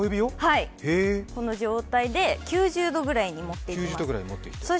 この状態で９０度ぐらいに持っていきます。